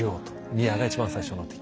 ミアが一番最初の敵。